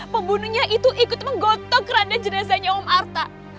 pembunuhnya itu ikut menggotok randon jenazahnya om arta